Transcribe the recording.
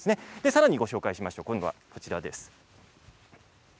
さらにご紹介しましょう。